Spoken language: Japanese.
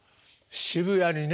渋谷にね。